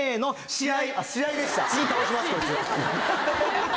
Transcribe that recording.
試合。